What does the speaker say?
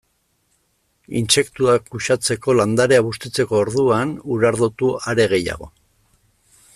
Intsektuak uxatzeko landarea bustitzeko orduan, urardotu are gehiago.